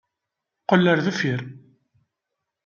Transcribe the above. Qqel ar deffir!